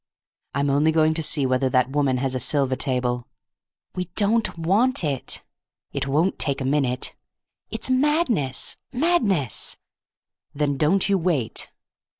"I'm only going to see whether that woman has a silver table—" "We don't want it—" "It won't take a minute—" "It's madness, madness—" "Then don't you wait!"